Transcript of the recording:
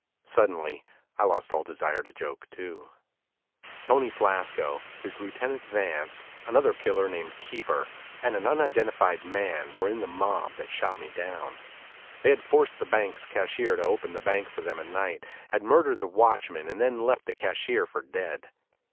Suddenly, I lost all desire to joke, too. Tony Flasco, his lieutenant Vance, another killer named Keeper, and an unidentified man were in the mob that shot me down. They had forced the bank's cashier to open the bank for them at night, had murdered the watchman and then left the cashier for dead.